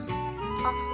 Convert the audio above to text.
あっ。